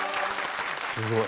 すごい！